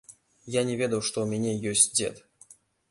Я не ведаў, што ў мяне ёсць дзед.